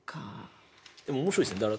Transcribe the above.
でも面白いですね。